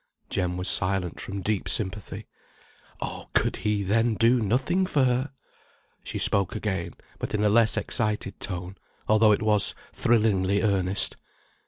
Jem was silent from deep sympathy. Oh! could he, then, do nothing for her! She spoke again, but in a less excited tone, although it was thrillingly earnest.